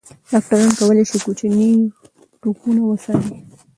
ډاکټران کولی شي کوچني ټپونه وڅاري.